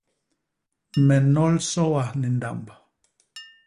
Me nnol soa ni ndamb.